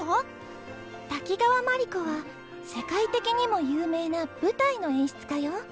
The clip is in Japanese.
滝川毬子は世界的にも有名な舞台の演出家よ。